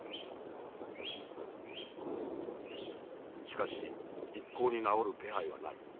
しかし一向に治る気配はない。